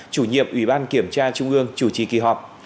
chủ nhiệm ủy ban kiểm tra trung ương chủ trì kỳ họp